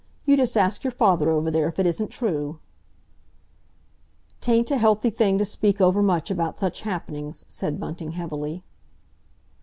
"You just ask your father over there if it isn't true." "'Tain't a healthy thing to speak overmuch about such happenings," said Bunting heavily.